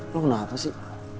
lo kenapa sih